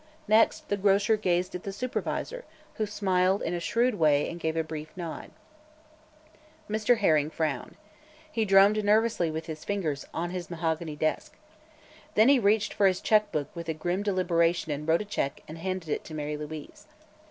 Next the grocer gazed at the supervisor, who smiled in a shrewd way and gave a brief nod. Mr. Herring frowned. He drummed nervously with his fingers on his mahogany desk. Then he reached for his check book and with grim deliberation wrote a check and handed it to Mary Louise.